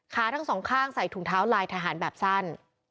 ขาทั้งสองข้างใส่ถุงเท้าลายทหารแบบสั้น